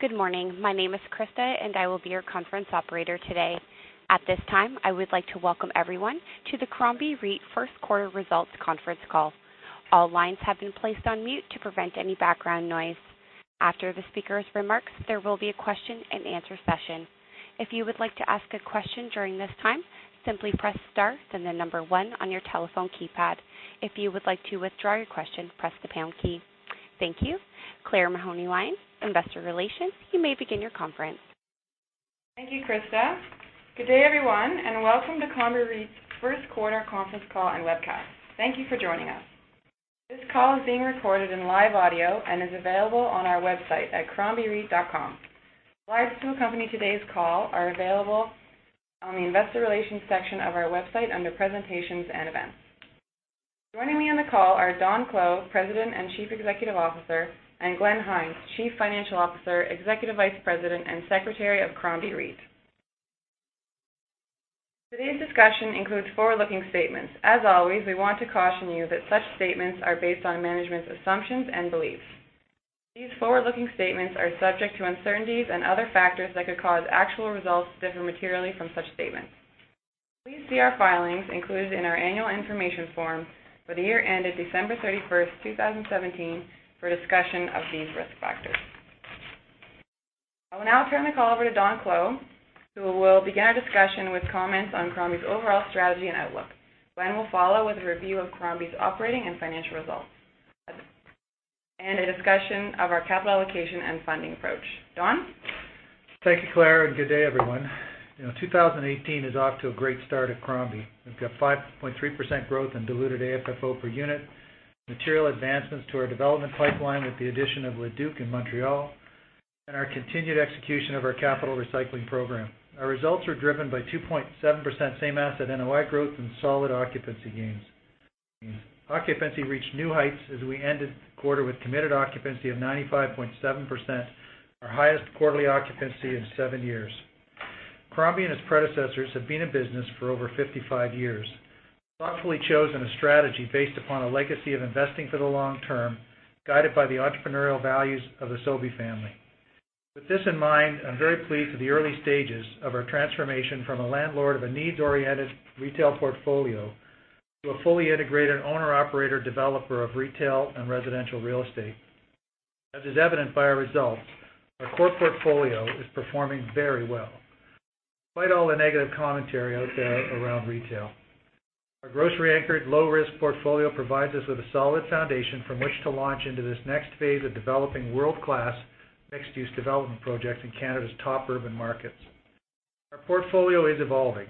Good morning. My name is Krista, and I will be your conference operator today. At this time, I would like to welcome everyone to the Crombie REIT First Quarter Results Conference Call. All lines have been placed on mute to prevent any background noise. After the speakers' remarks, there will be a question and answer session. If you would like to ask a question during this time, simply press star, then the number one on your telephone keypad. If you would like to withdraw your question, press the pound key. Thank you. Claire Mahaney Lyon, Investor Relations, you may begin your conference. Thank you, Krista. Good day, everyone, and welcome to Crombie REIT's First Quarter Conference Call and Webcast. Thank you for joining us. This call is being recorded in live audio and is available on our website at crombiereit.com. Slides to accompany today's call are available on the Investor Relations section of our website under Presentations and Events. Joining me on the call are Don Clow, President and Chief Executive Officer, and Glenn Hynes, Chief Financial Officer, Executive Vice President, and Secretary of Crombie REIT. Today's discussion includes forward-looking statements. As always, we want to caution you that such statements are based on management's assumptions and beliefs. These forward-looking statements are subject to uncertainties and other factors that could cause actual results to differ materially from such statements. Please see our filings included in our annual information form for the year ended December 31st, 2017, for a discussion of these risk factors. I will now turn the call over to Don Clow, who will begin our discussion with comments on Crombie's overall strategy and outlook. Glenn will follow with a review of Crombie's operating and financial results, and a discussion of our capital allocation and funding approach. Don? Thank you, Claire. Good day, everyone. 2018 is off to a great start at Crombie. We've got 5.3% growth in diluted AFFO per unit, material advancements to our development pipeline with the addition of Le Duke in Montreal, and our continued execution of our capital recycling program. Our results are driven by 2.7% same asset NOI growth and solid occupancy gains. Occupancy reached new heights as we ended the quarter with committed occupancy of 95.7%, our highest quarterly occupancy in seven years. Crombie and its predecessors have been in business for over 55 years. We've thoughtfully chosen a strategy based upon a legacy of investing for the long term, guided by the entrepreneurial values of the Sobey family. With this in mind, I am very pleased with the early stages of our transformation from a landlord of a needs-oriented retail portfolio to a fully integrated owner/operator developer of retail and residential real estate. As is evident by our results, our core portfolio is performing very well, despite all the negative commentary out there around retail. Our grocery-anchored, low-risk portfolio provides us with a solid foundation from which to launch into this next phase of developing world-class, mixed-use development projects in Canada's top urban markets. Our portfolio is evolving.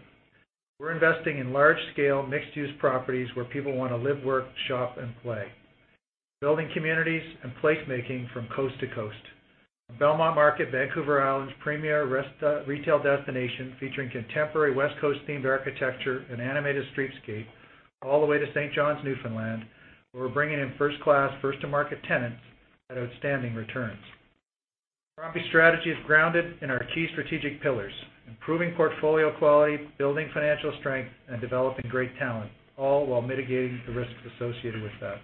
We are investing in large-scale, mixed-use properties where people want to live, work, shop, and play. Building communities and placemaking from coast to coast. From Belmont Market, Vancouver Island's premier retail destination, featuring contemporary West Coast-themed architecture and animated streetscape, all the way to St. John's, Newfoundland, where we are bringing in first-class, first-to-market tenants at outstanding returns. Crombie's strategy is grounded in our key strategic pillars: improving portfolio quality, building financial strength, and developing great talent, all while mitigating the risks associated with that.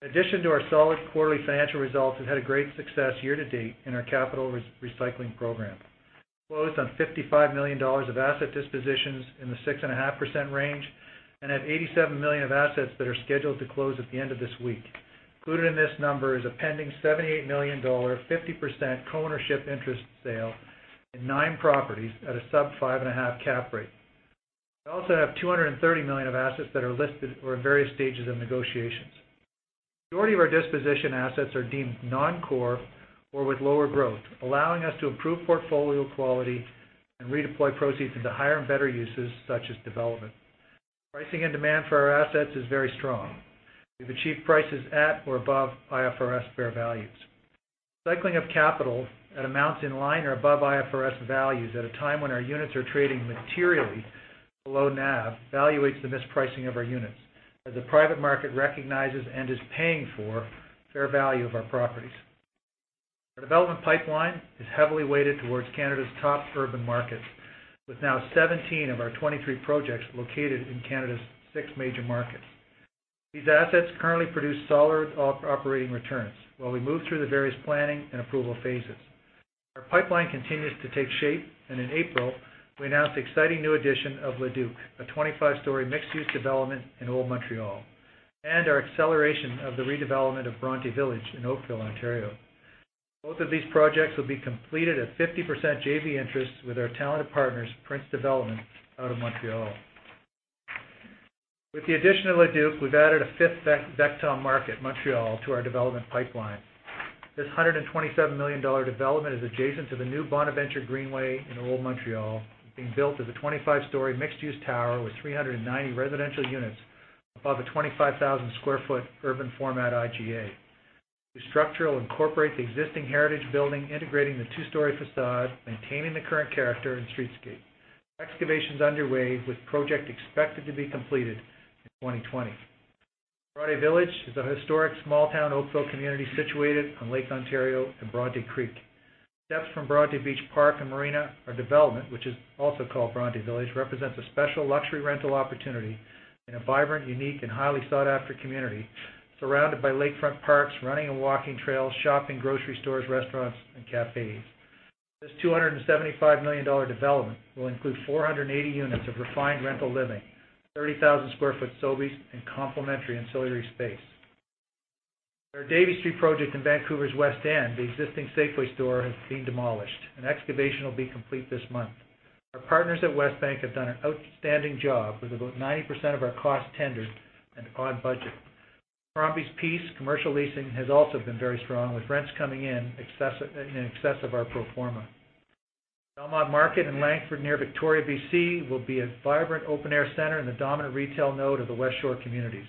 In addition to our solid quarterly financial results, we have had great success year-to-date in our capital recycling program. We closed on 55 million dollars of asset dispositions in the 6.5% range and have 87 million of assets that are scheduled to close at the end of this week. Included in this number is a pending 78 million dollar, 50% co-ownership interest sale in nine properties at a sub 5.5% cap rate. We also have 230 million of assets that are listed or in various stages of negotiations. The majority of our disposition assets are deemed non-core or with lower growth, allowing us to improve portfolio quality and redeploy proceeds into higher and better uses, such as development. Pricing and demand for our assets is very strong. We have achieved prices at or above IFRS fair values. Recycling of capital at amounts in line or above IFRS values at a time when our units are trading materially below NAV, valuates the mispricing of our units as the private market recognizes and is paying for fair value of our properties. Our development pipeline is heavily weighted towards Canada's top urban markets, with now 17 of our 23 projects located in Canada's six major markets. These assets currently produce solid operating returns while we move through the various planning and approval phases. Our pipeline continues to take shape, and in April, we announced the exciting new addition of Le Duke, a 25-story mixed-use development in Old Montreal, and our acceleration of the redevelopment of Bronte Village in Oakville, Ontario. Both of these projects will be completed at 50% JV interests with our talented partners, Prével Development, out of Montreal. With the addition of Le Duke, we have added a fifth vector market, Montreal, to our development pipeline. This 127 million dollar development is adjacent to the new Bonaventure Greenway in Old Montreal. It is being built as a 25-story mixed-use tower with 390 residential units above a 25,000-square-foot urban-format IGA. The structure will incorporate the existing heritage building, integrating the two-story facade, maintaining the current character and streetscape. Excavation is underway, with project expected to be completed in 2020. Bronte Village is a historic small-town Oakville community situated on Lake Ontario and Bronte Creek. Steps from Bronte Beach Park and Marina, our development, which is also called Bronte Village, represents a special luxury rental opportunity in a vibrant, unique, and highly sought-after community surrounded by lakefront parks, running and walking trails, shopping, grocery stores, restaurants, and cafes. This 275 million dollar development will include 480 units of refined rental living, 30,000 sq ft Sobeys, and complementary ancillary space. At our Davie Street project in Vancouver's West End, the existing Safeway store has been demolished, and excavation will be complete this month. Our partners at Westbank have done an outstanding job with about 90% of our costs tendered and on budget. Crombie's piece, commercial leasing, has also been very strong, with rents coming in excess of our pro forma. Belmont Market in Langford, near Victoria, B.C., will be a vibrant open-air center and the dominant retail node of the West Shore communities.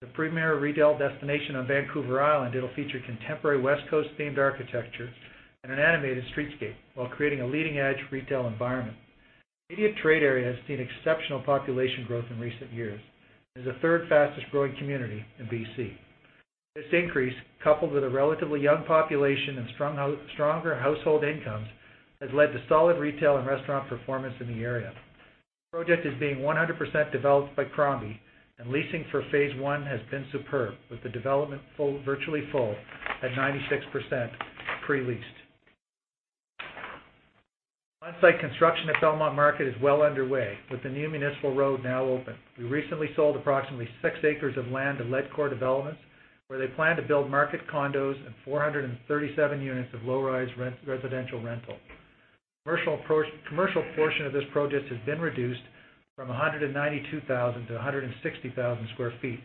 The premier retail destination on Vancouver Island, it'll feature contemporary West Coast-themed architecture and an animated streetscape while creating a leading-edge retail environment. The immediate trade area has seen exceptional population growth in recent years and is the third-fastest growing community in B.C. This increase, coupled with a relatively young population and stronger household incomes, has led to solid retail and restaurant performance in the area. This project is being 100% developed by Crombie, and leasing for phase 1 has been superb, with the development virtually full at 96% pre-leased. On-site construction at Belmont Market is well underway, with the new municipal road now open. We recently sold approximately six acres of land to Ledcor Developments, where they plan to build market condos and 437 units of low-rise residential rental. The commercial portion of this project has been reduced from 192,000 sq ft to 160,000 sq ft,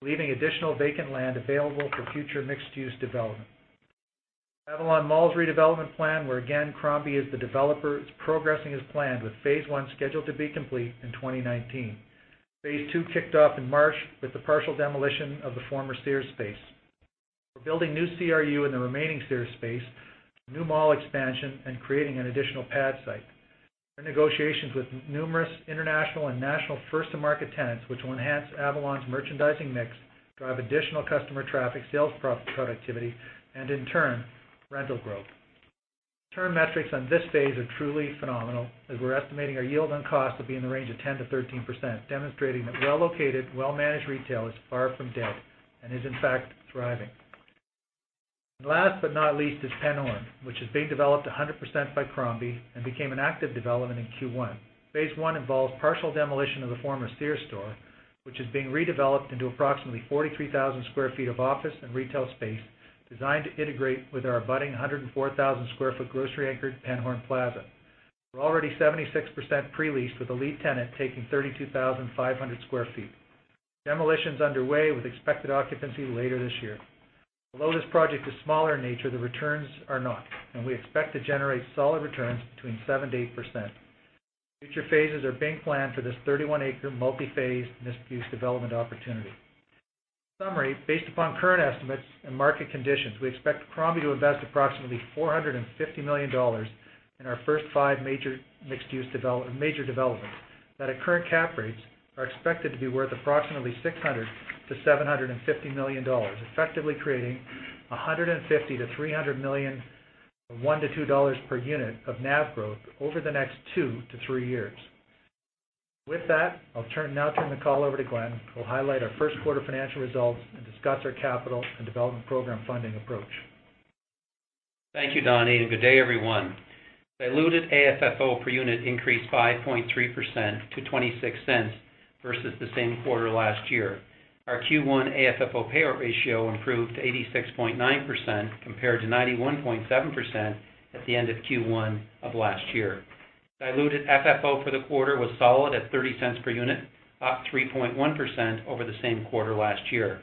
leaving additional vacant land available for future mixed-use development. Avalon Mall's redevelopment plan, where again, Crombie is the developer, is progressing as planned, with phase 1 scheduled to be complete in 2019. Phase 2 kicked off in March with the partial demolition of the former Sears space. We're building new CRU in the remaining Sears space, a new mall expansion, and creating an additional pad site. We're in negotiations with numerous international and national first-to-market tenants, which will enhance Avalon's merchandising mix, drive additional customer traffic, sales productivity, and in turn, rental growth. The near-term metrics on this phase are truly phenomenal, as we're estimating our yield on cost to be in the range of 10%-13%, demonstrating that well-located, well-managed retail is far from dead and is, in fact, thriving. Last but not least is Penhorn, which is being developed 100% by Crombie and became an active development in Q1. Phase 1 involves partial demolition of the former Sears store, which is being redeveloped into approximately 43,000 sq ft of office and retail space designed to integrate with our abutting 104,000 sq ft grocery-anchored Penhorn Plaza. We're already 76% pre-leased, with a lead tenant taking 32,500 sq ft. Demolition's underway, with expected occupancy later this year. Although this project is smaller in nature, the returns are not, and we expect to generate solid returns between 7%-8%. Future phases are being planned for this 31-acre, multi-phase, mixed-use development opportunity. In summary, based upon current estimates and market conditions, we expect Crombie to invest approximately 450 million dollars in our first five major developments that, at current cap rates, are expected to be worth approximately 600 million-750 million dollars, effectively creating 150 million-300 million of 1-2 dollars per unit of NAV growth over the next two to three years. With that, I'll now turn the call over to Glenn, who will highlight our first quarter financial results and discuss our capital and development program funding approach. Thank you, Don, good day, everyone. Diluted AFFO per unit increased 5.3% to 0.26 versus the same quarter last year. Our Q1 AFFO payout ratio improved to 86.9%, compared to 91.7% at the end of Q1 of last year. Diluted FFO for the quarter was solid at 0.30 per unit, up 3.1% over the same quarter last year.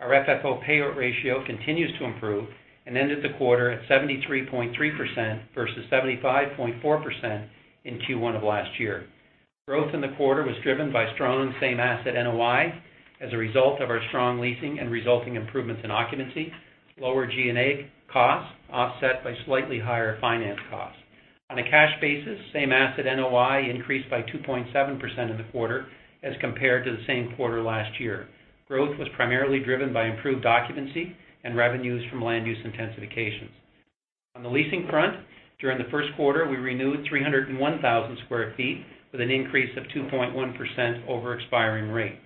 Our FFO payout ratio continues to improve and ended the quarter at 73.3% versus 75.4% in Q1 of last year. Growth in the quarter was driven by strong same asset NOI as a result of our strong leasing and resulting improvements in occupancy, lower G&A costs offset by slightly higher finance costs. On a cash basis, same asset NOI increased by 2.7% in the quarter as compared to the same quarter last year. Growth was primarily driven by improved occupancy and revenues from land use intensifications. On the leasing front, during the first quarter, we renewed 301,000 square feet with an increase of 2.1% over expiring rate.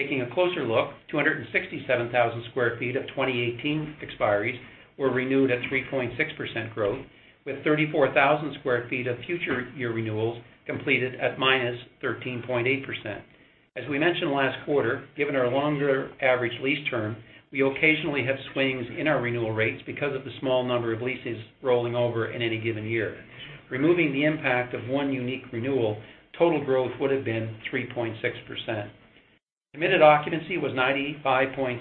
Taking a closer look, 267,000 square feet of 2018 expiries were renewed at 3.6% growth, with 34,000 square feet of future year renewals completed at -13.8%. As we mentioned last quarter, given our longer average lease term, we occasionally have swings in our renewal rates because of the small number of leases rolling over in any given year. Removing the impact of one unique renewal, total growth would've been 3.6%. Committed occupancy was 95.7%,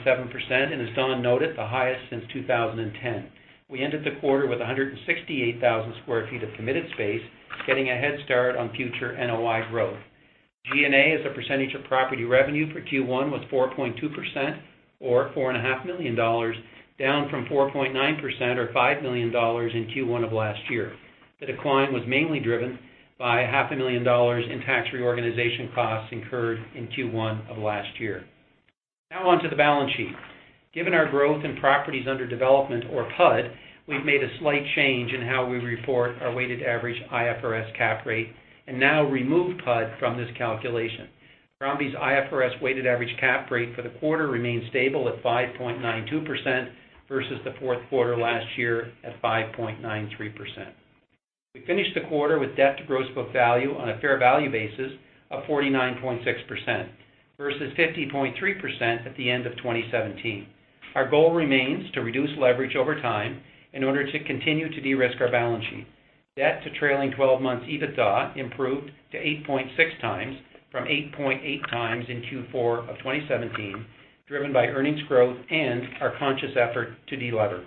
as Don noted, the highest since 2010. We ended the quarter with 168,000 square feet of committed space, getting a head start on future NOI growth. G&A, as a percentage of property revenue for Q1, was 4.2%, or 4.5 million dollars, down from 4.9%, or 5 million dollars, in Q1 of last year. The decline was mainly driven by 500,000 dollars in tax reorganization costs incurred in Q1 of last year. Now on to the balance sheet. Given our growth in properties under development or PUD, we've made a slight change in how we report our weighted average IFRS cap rate and now remove PUD from this calculation. Crombie's IFRS weighted average cap rate for the quarter remains stable at 5.92% versus the fourth quarter last year at 5.93%. We finished the quarter with debt to gross book value on a fair value basis of 49.6%, versus 50.3% at the end of 2017. Our goal remains to reduce leverage over time in order to continue to de-risk our balance sheet. Debt to trailing 12 months EBITDA improved to 8.6x from 8.8x in Q4 of 2017, driven by earnings growth and our conscious effort to de-lever.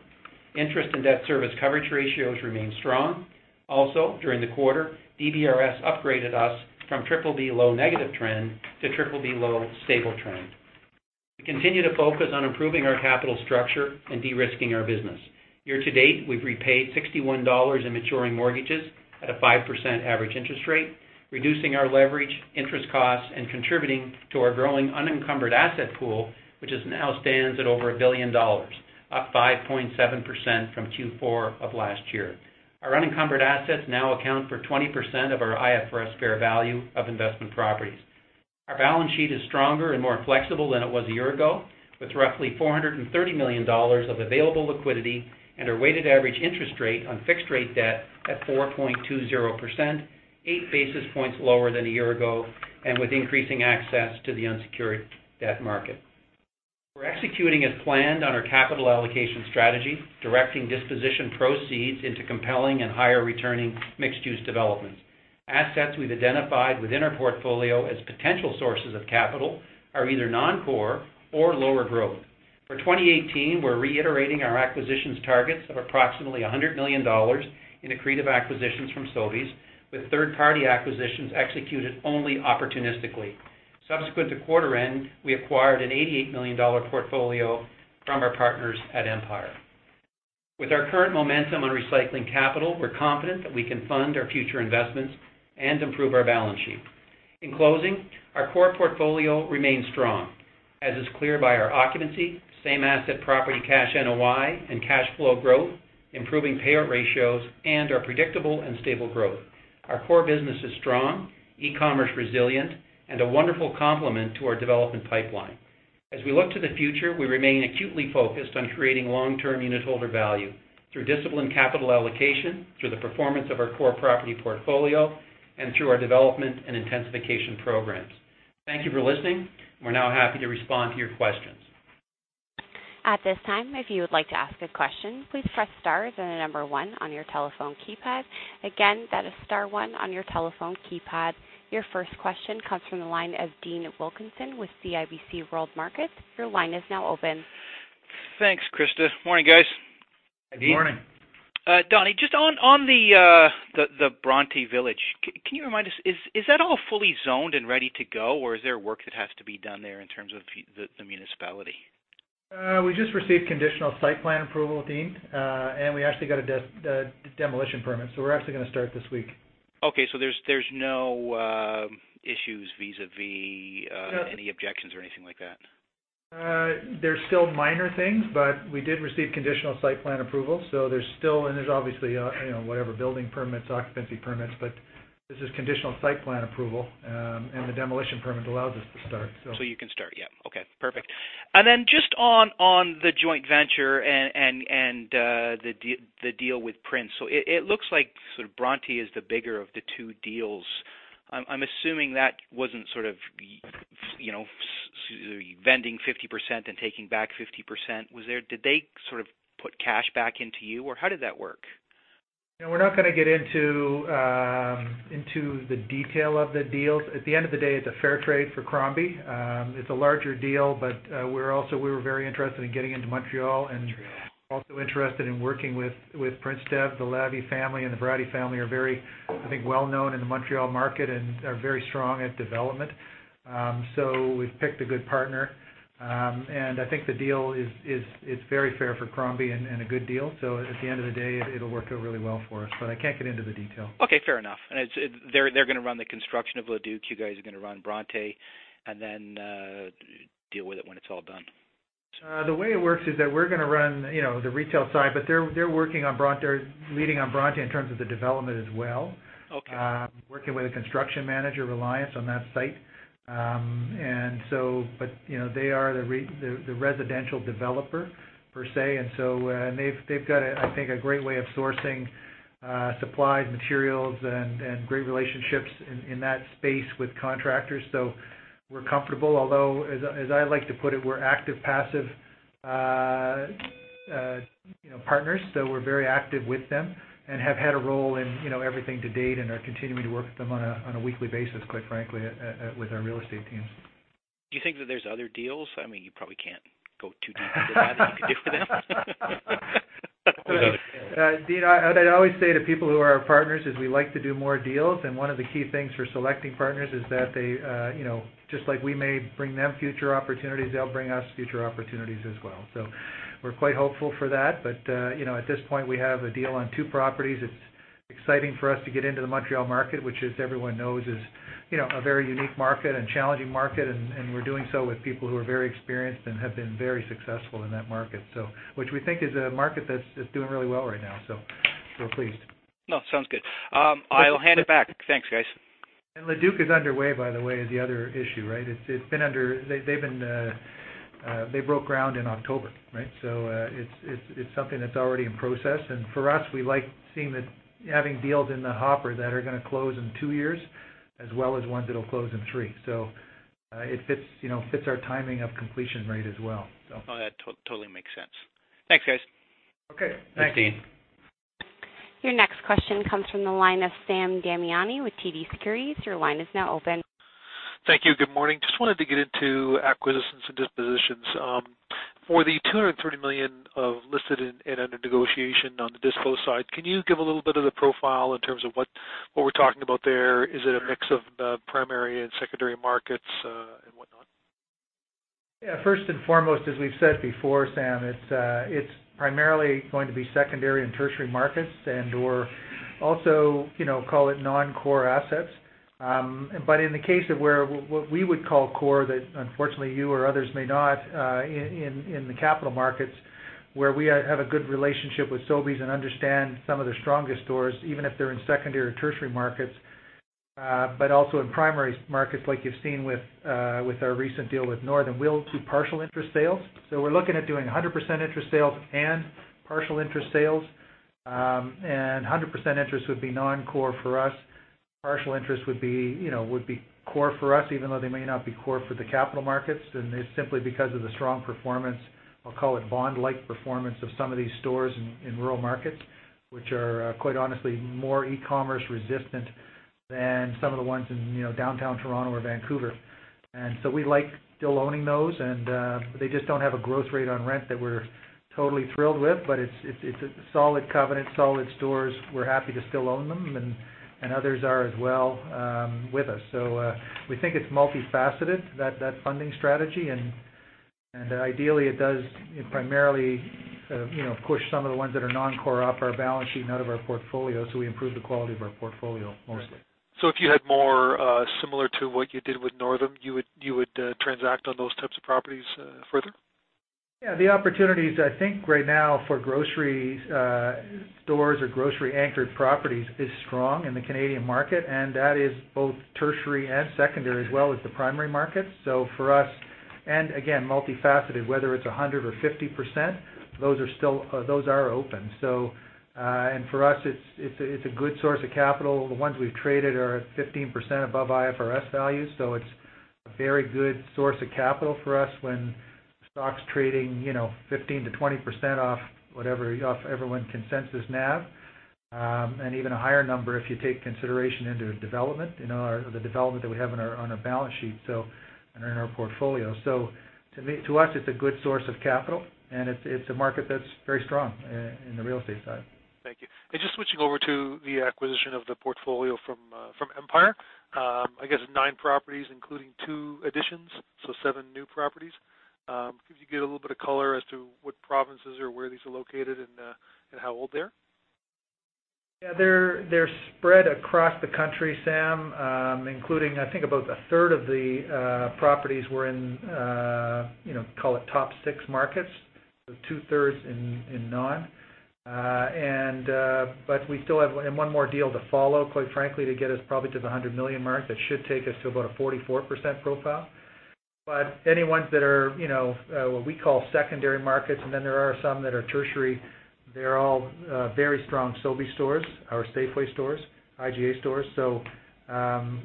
Interest in debt service coverage ratios remain strong. Also during the quarter, DBRS upgraded us from triple B low negative trend to triple B low stable trend. We continue to focus on improving our capital structure and de-risking our business. Year to date, we've repaid 61 dollars in maturing mortgages at a 5% average interest rate, reducing our leverage, interest costs, and contributing to our growing unencumbered asset pool, which now stands at over 1 billion dollars, up 5.7% from Q4 of last year. Our unencumbered assets now account for 20% of our IFRS fair value of investment properties. Our balance sheet is stronger and more flexible than it was a year ago, with roughly 430 million dollars of available liquidity and our weighted average interest rate on fixed-rate debt at 4.20%, eight basis points lower than a year ago, with increasing access to the unsecured debt market. We're executing as planned on our capital allocation strategy, directing disposition proceeds into compelling and higher returning mixed-use developments. Assets we've identified within our portfolio as potential sources of capital are either non-core or lower growth. For 2018, we're reiterating our acquisitions targets of approximately 100 million dollars in accretive acquisitions from Sobeys, with third-party acquisitions executed only opportunistically. Subsequent to quarter end, we acquired a 88 million dollar portfolio from our partners at Empire. With our current momentum on recycling capital, we're confident that we can fund our future investments and improve our balance sheet. In closing, our core portfolio remains strong, as is clear by our occupancy, same asset property cash NOI and cash flow growth, improving payout ratios, and our predictable and stable growth. Our core business is strong, e-commerce resilient, and a wonderful complement to our development pipeline. As we look to the future, we remain acutely focused on creating long-term unitholder value through disciplined capital allocation, through the performance of our core property portfolio, and through our development and intensification programs. Thank you for listening. We're now happy to respond to your questions. At this time, if you would like to ask a question, please press star then the number 1 on your telephone keypad. Again, that is star 1 on your telephone keypad. Your first question comes from the line of Dean Wilkinson with CIBC World Markets. Your line is now open. Thanks, Krista. Morning, guys. Good morning. Good morning. Donnie, just on the Bronte Village, can you remind us, is that all fully zoned and ready to go, or is there work that has to be done there in terms of the municipality? We just received conditional site plan approval, Dean. We actually got a demolition permit, we're actually going to start this week. Okay, there's no issues vis-à-vis. No Are there any objections or anything like that? There's still minor things, we did receive conditional site plan approval, there's still obviously whatever building permits, occupancy permits, this is conditional site plan approval. The demolition permit allows us to start. You can start, yeah. Okay, perfect. Just on the joint venture and the deal with Prével. It looks like sort of Bronte is the bigger of the two deals. I'm assuming that wasn't sort of vending 50% and taking back 50%. Did they sort of put cash back into you, or how did that work? We're not going to get into the detail of the deals. At the end of the day, it's a fair trade for Crombie. It's a larger deal, but we were very interested in getting into Montreal- Montreal Also interested in working with Prével Development. The Lavie family and the Verity family are very, I think, well-known in the Montreal market and are very strong at development. We've picked a good partner. I think the deal is very fair for Crombie and a good deal. At the end of the day, it'll work out really well for us, but I can't get into the details. Okay, fair enough. They're going to run the construction of Le Duke, you guys are going to run Bronte, and then deal with it when it's all done. The way it works is that we're going to run the retail side, but they're leading on Bronte in terms of the development as well. Okay. Working with a construction manager, Reliance, on that site. They are the residential developer per se, and they've got, I think, a great way of sourcing supplies, materials, and great relationships in that space with contractors. We're comfortable, although, as I like to put it, we're active-passive partners. We're very active with them and have had a role in everything to date and are continuing to work with them on a weekly basis, quite frankly, with our real estate teams. Do you think that there's other deals? You probably can't go too deep into that. What do you think? Dean, I'd always say to people who are our partners is we like to do more deals, and one of the key things for selecting partners is that they, just like we may bring them future opportunities, they'll bring us future opportunities as well. At this point, we have a deal on two properties. It's exciting for us to get into the Montreal market, which, as everyone knows, is a very unique market and challenging market, and we're doing so with people who are very experienced and have been very successful in that market, which we think is a market that's doing really well right now, so we're pleased. No, sounds good. I'll hand it back. Thanks, guys. Le Duke is underway, by the way, is the other issue. They broke ground in October. It's something that's already in process. For us, we like having deals in the hopper that are going to close in two years, as well as ones that'll close in three. It fits our timing of completion rate as well. Oh, that totally makes sense. Thanks, guys. Okay, thanks. Thanks, Dean. Your next question comes from the line of Sam Damiani with TD Securities. Your line is now open. Thank you. Good morning. Just wanted to get into acquisitions and dispositions. For the 230 million listed in under negotiation on the dispo side, can you give a little bit of the profile in terms of what we're talking about there? Is it a mix of primary and secondary markets and whatnot? Yeah. First and foremost, as we've said before, Sam, it's primarily going to be secondary and tertiary markets, and/or also call it non-core assets. In the case of what we would call core that unfortunately you or others may not in the capital markets, where we have a good relationship with Sobeys and understand some of their strongest stores, even if they're in secondary or tertiary markets, but also in primary markets like you've seen with our recent deal with Northam, we'll do partial interest sales. We're looking at doing 100% interest sales and partial interest sales. 100% interest would be non-core for us. Partial interest would be core for us, even though they may not be core for the capital markets. It's simply because of the strong performance, I'll call it bond-like performance, of some of these stores in rural markets, which are, quite honestly, more e-commerce resistant than some of the ones in Downtown Toronto or Vancouver. We like still owning those, and they just don't have a growth rate on rent that we're totally thrilled with, but it's a solid covenant, solid stores. We're happy to still own them, and others are as well with us. We think it's multifaceted, that funding strategy, and ideally, it does primarily push some of the ones that are non-core off our balance sheet and out of our portfolio, so we improve the quality of our portfolio, mostly. If you had more similar to what you did with Northam, you would transact on those types of properties further? The opportunities, I think right now for grocery stores or grocery-anchored properties is strong in the Canadian market, and that is both tertiary and secondary, as well as the primary market. For us, and again, multifaceted, whether it's 100% or 50%, those are open. For us, it's a good source of capital. The ones we've traded are at 15% above IFRS values, so it's a very good source of capital for us when stock's trading 15%-20% off everyone consensus NAV, and even a higher number if you take consideration into the development that we have on our balance sheet and in our portfolio. To us, it's a good source of capital, and it's a market that's very strong in the real estate side. Thank you. Just switching over to the acquisition of the portfolio from Empire. I guess nine properties including two additions, so seven new properties. Could you give a little bit of color as to what provinces or where these are located and how old they are? Yeah, they're spread across the country, Sam, including, I think about a third of the properties were in, call it top six markets, so two-thirds in none. We still have one more deal to follow, quite frankly, to get us probably to the 100 million mark. That should take us to about a 44% profile. Any ones that are what we call secondary markets, and then there are some that are tertiary, they're all very strong Sobeys stores or Safeway stores, IGA stores.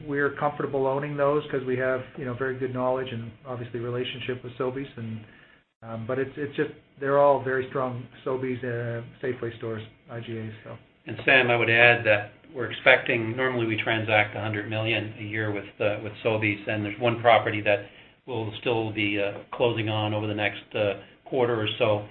We're comfortable owning those because we have very good knowledge and obviously relationship with Sobeys. They're all very strong Sobeys, Safeway stores, IGAs. Sam, I would add that we're expecting, normally we transact 100 million a year with Sobeys, and there's one property that will still be closing on over the next quarter or so.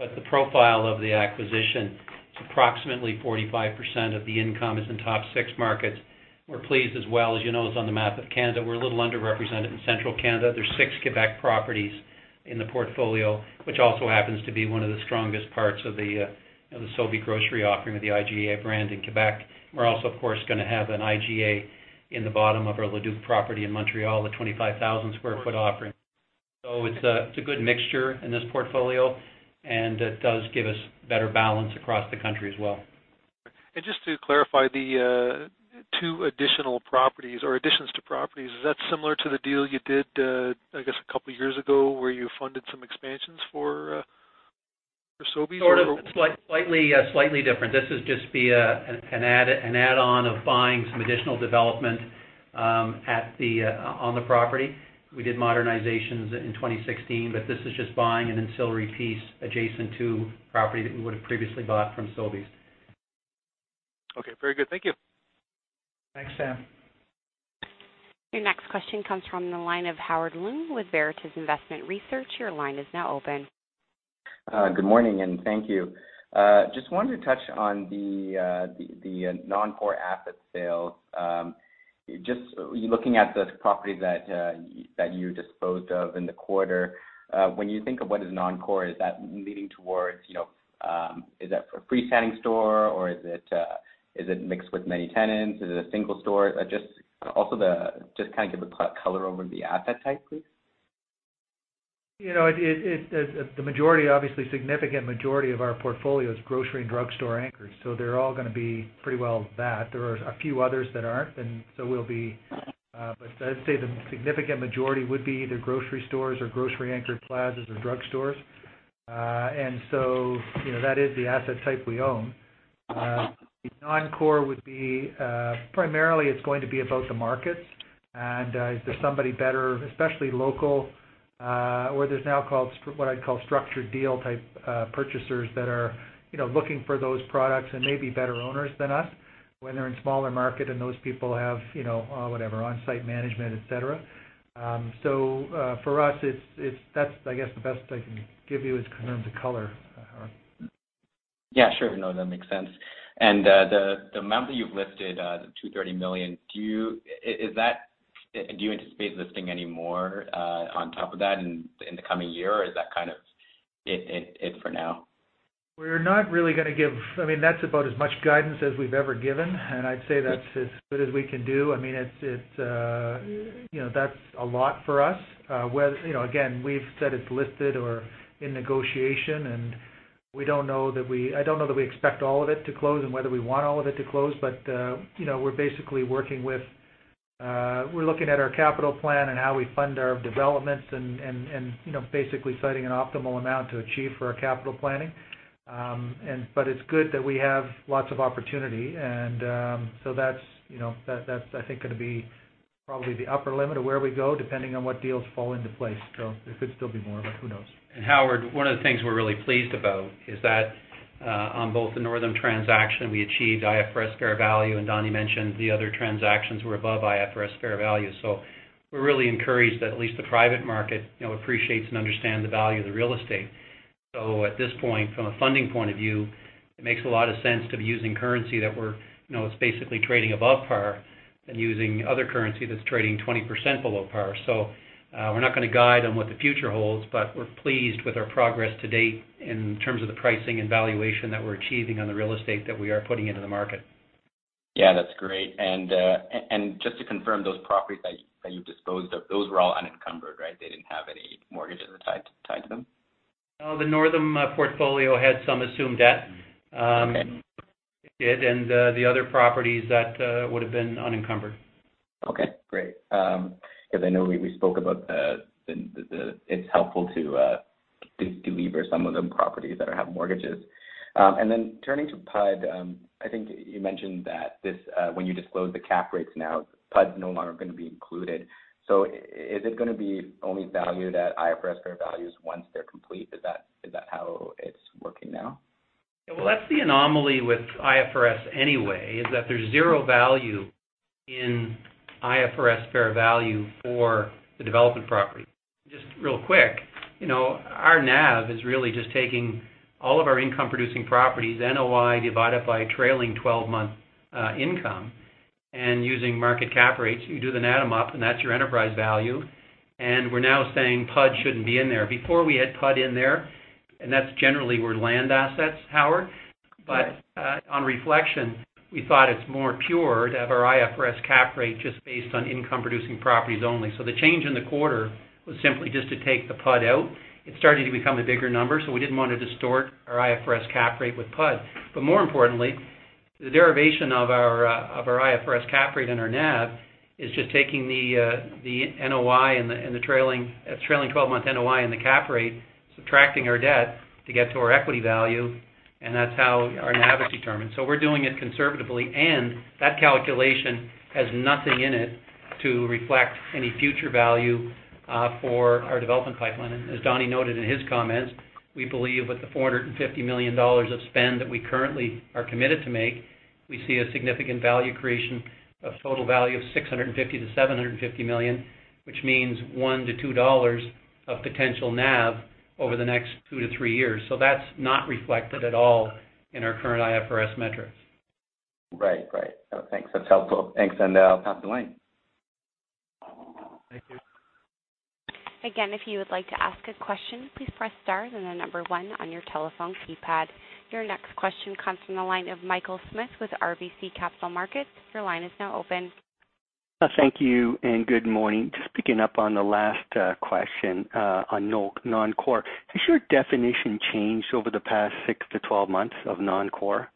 The profile of the acquisition, it's approximately 45% of the income is in top six markets. We're pleased as well. As you know, it's on the map of Canada. We're a little underrepresented in Central Canada. There's six Quebec properties in the portfolio, which also happens to be one of the strongest parts of the Sobeys grocery offering with the IGA brand in Quebec. We're also, of course, going to have an IGA in the bottom of our Le Duke property in Montreal, a 25,000 sq ft offering. It's a good mixture in this portfolio, and it does give us better balance across the country as well. Just to clarify, the two additional properties or additions to properties, is that similar to the deal you did, I guess, a couple of years ago where you funded some expansions for Sobeys? Slightly different. This would just be an add-on of buying some additional development on the property. We did modernizations in 2016. This is just buying an ancillary piece adjacent to property that we would've previously bought from Sobeys. Okay. Very good. Thank you. Thanks, Sam. Your next question comes from the line of Howard Leung with Veritas Investment Research. Your line is now open. Good morning. Thank you. Just wanted to touch on the non-core asset sale. Just looking at the properties that you disposed of in the quarter, when you think of what is non-core, is that a freestanding store or is it mixed with many tenants? Is it a single store? Just also kind of give a color over the asset type, please. The majority, obviously significant majority of our portfolio is grocery and drugstore anchors, so they're all going to be pretty well that. There are a few others that aren't, but I'd say the significant majority would be either grocery stores or grocery-anchored plazas or drugstores. That is the asset type we own. The non-core would be, primarily it's going to be about the markets, and if there's somebody better, especially local, or there's now what I'd call structured deal type purchasers that are looking for those products and may be better owners than us when they're in smaller market and those people have on-site management, et cetera. For us, that's the best I can give you in terms of color, Howard. Yeah, sure. No, that makes sense. The amount that you've listed, the 230 million, do you anticipate listing any more on top of that in the coming year, or is that kind of it for now? We're not really going to That's about as much guidance as we've ever given, I'd say that's as good as we can do. That's a lot for us. Again, we've said it's listed or in negotiation, I don't know that we expect all of it to close and whether we want all of it to close, but we're basically working with, we're looking at our capital plan and how we fund our developments and basically citing an optimal amount to achieve for our capital planning. It's good that we have lots of opportunity, that's, I think, going to be probably the upper limit of where we go, depending on what deals fall into place. It could still be more, but who knows. Howard, one of the things we're really pleased about is that on both the Northam transaction, we achieved IFRS fair value, Donnie mentioned the other transactions were above IFRS fair value. We're really encouraged that at least the private market appreciates and understands the value of the real estate. At this point, from a funding point of view, it makes a lot of sense to be using currency that it's basically trading above par than using other currency that's trading 20% below par. We're not going to guide on what the future holds, but we're pleased with our progress to date in terms of the pricing and valuation that we're achieving on the real estate that we are putting into the market. Yeah, that's great. Just to confirm, those properties that you disposed of, those were all unencumbered, right? They didn't have any mortgages tied to them? No, the Northam portfolio had some assumed debt. Okay. It did, the other properties, that would've been unencumbered. Okay, great. I know we spoke about the, it's helpful to delever some of the properties that have mortgages. Then turning to PUD, I think you mentioned that when you disclose the cap rates now, PUDs are no longer going to be included. Is it going to be only valued at IFRS fair values once they're complete? Is that how it's working now? Well, that's the anomaly with IFRS anyway, is that there's zero value in IFRS fair value for the development property. Just real quick, our NAV is really just taking all of our income-producing properties, NOI divided by trailing 12-month income, and using market cap rates. You do them, add them up, and that's your enterprise value. We're now saying PUD shouldn't be in there. Before we had PUD in there, and that's generally were land assets, Howard. Right. On reflection, we thought it's more pure to have our IFRS cap rate just based on income-producing properties only. The change in the quarter was simply just to take the PUD out. It's starting to become a bigger number, we didn't want to distort our IFRS cap rate with PUD. More importantly, the derivation of our IFRS cap rate and our NAV is just taking the trailing 12-month NOI and the cap rate, subtracting our debt to get to our equity value, and that's how our NAV is determined. We're doing it conservatively, and that calculation has nothing in it to reflect any future value for our development pipeline. As Donnie noted in his comments, we believe with the 450 million dollars of spend that we currently are committed to make, we see a significant value creation of total value of 650 million-750 million, which means 1-2 dollars of potential NAV over the next two to three years. That's not reflected at all in our current IFRS metrics. Right. Thanks. That's helpful. Thanks, I'll pass the line. Thank you. Again, if you would like to ask a question, please press star and then number one on your telephone keypad. Your next question comes from the line of Michael Smith with RBC Capital Markets. Your line is now open. Thank you, and good morning. Just picking up on the last question on non-core. Has your definition changed over the past six to 12 months of non-core?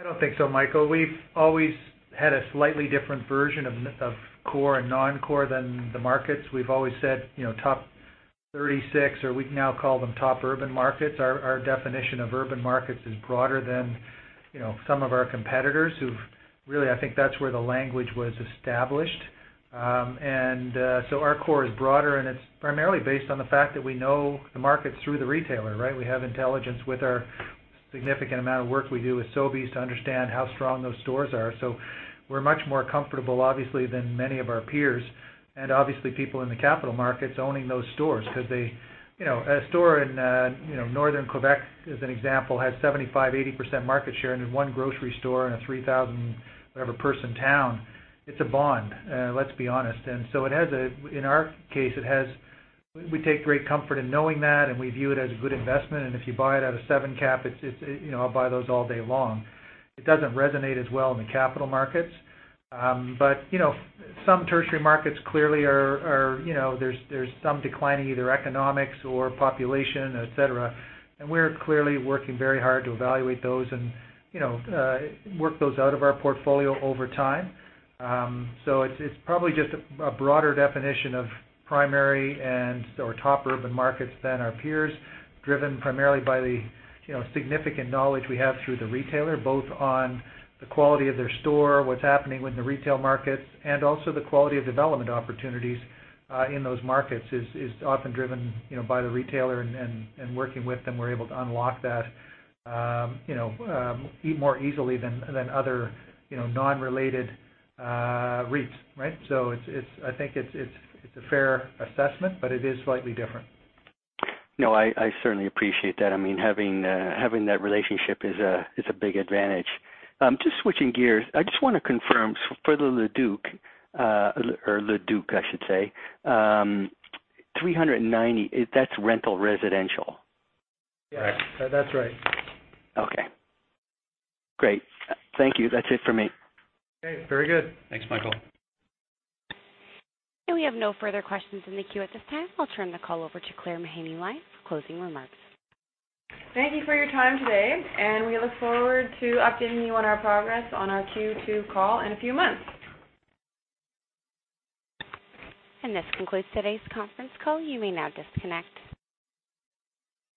I don't think so, Michael. We've always had a slightly different version of core and non-core than the markets. We've always said top 36, or we now call them top urban markets. Our definition of urban markets is broader than some of our competitors who've, really, I think that's where the language was established. Our core is broader, and it's primarily based on the fact that we know the markets through the retailer, right? We have intelligence with our significant amount of work we do with Sobeys to understand how strong those stores are. We're much more comfortable, obviously, than many of our peers, and obviously people in the capital markets owning those stores. Because a store in northern Quebec, as an example, has 75%, 80% market share in one grocery store in a 3,000 whatever person town. It's a bond, let's be honest. In our case, we take great comfort in knowing that, and we view it as a good investment. If you buy it at a 7 cap, I'll buy those all day long. It doesn't resonate as well in the capital markets. Some tertiary markets clearly there's some decline in either economics or population, et cetera, and we're clearly working very hard to evaluate those and work those out of our portfolio over time. It's probably just a broader definition of primary and/or top urban markets than our peers, driven primarily by the significant knowledge we have through the retailer, both on the quality of their store, what's happening with the retail markets, and also the quality of development opportunities in those markets is often driven by the retailer. Working with them, we're able to unlock that more easily than other non-related REITs, right? I think it's a fair assessment, but it is slightly different. No, I certainly appreciate that. Having that relationship is a big advantage. Just switching gears, I just want to confirm for the Le Duke, 390, that's rental residential? Yeah. Correct. That's right. Okay, great. Thank you. That's it for me. Okay, very good. Thanks, Michael. We have no further questions in the queue at this time. I'll turn the call over to Claire Mahaney Lyon for closing remarks. Thank you for your time today, we look forward to updating you on our progress on our Q2 call in a few months. This concludes today's conference call. You may now disconnect.